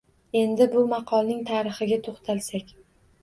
Endi bu maqolning tarixiga to`xtalsak